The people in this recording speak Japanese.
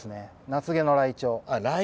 夏毛のライチョウ。